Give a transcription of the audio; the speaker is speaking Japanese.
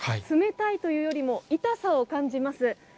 冷たいというよりも痛さを感じます。